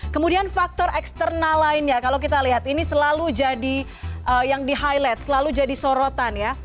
kemudian faktor eksternal lainnya kalau kita lihat ini selalu jadi yang di highlight selalu jadi sorotan ya